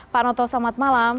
pak noto selamat malam